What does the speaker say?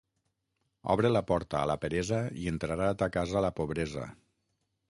Obre la porta a la peresa i entrarà a ta casa la pobresa.